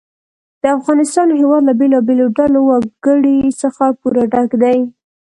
د افغانستان هېواد له بېلابېلو ډولو وګړي څخه پوره ډک دی.